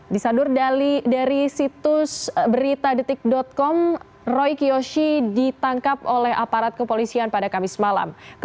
disadur dari situs beritadetik com roy kiyoshi ditangkap oleh aparat kepolisian pada kamis malam